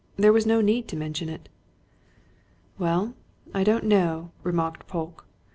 There was no need to mention it." "Well, I don't know," remarked Polke.